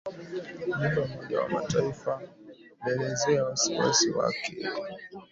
Ujumbe wa Umoja wa Mataifa ulielezea wasiwasi wake